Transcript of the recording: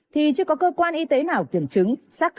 thì chưa có cơ quan y tế nào kiểm chứng